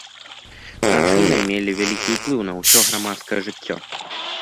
Жанчыны мелі вялікі ўплыў на ўсё грамадскае жыццё.